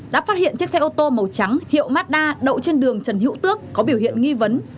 đã phát hiện chiếc xe ô tô màu trắng hiệu mazda đậu trên đường trần hữu tước có biểu hiện nghi vấn